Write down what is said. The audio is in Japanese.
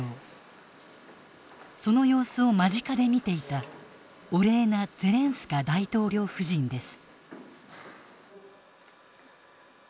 その様子を間近で見ていたオレーナ・ゼレンスカ大統領夫人です。